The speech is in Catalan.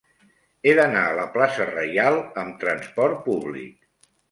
He d'anar a la plaça Reial amb trasport públic.